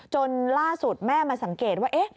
จนล่าสุดแม่มาสังเกตว่า